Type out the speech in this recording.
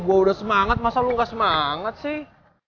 gue udah semangat masa lu gak semangat sih